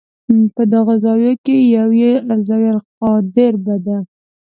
په دغو زاویو کې یوه یې الزاویة القادربه ده.